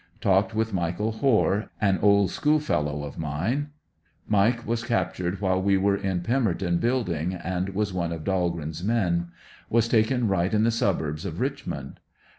Talked with Michael Hoare, an old school fellow of mine. Mike was captured while we were in Pemerton Building, and was one of Dahlgreen's men Was taken right in the suburbs of Richmond.